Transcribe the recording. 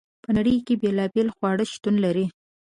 په نړۍ کې بیلابیل خواړه شتون لري.